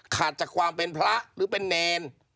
ขาดจากความเป็นพระหรือเป็นเนร